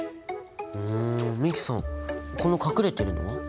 ふん美樹さんこの隠れてるのは？